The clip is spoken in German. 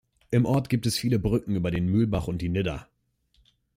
Im Ort gibt es viele Brücken über den Mühlbach und die Nidda.